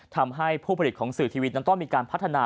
ทำให้ผู้ผลิตของสื่อทีวีนั้นต้องมีการพัฒนา